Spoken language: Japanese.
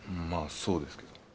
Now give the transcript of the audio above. まあそうですけど。